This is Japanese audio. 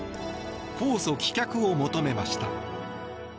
控訴棄却を求めました。